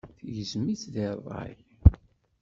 Tegzem-itt deg ṛṛay.